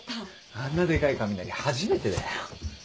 あんなでかい雷初めてだよ。